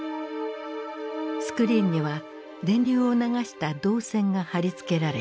スクリーンには電流を流した導線が貼り付けられていた。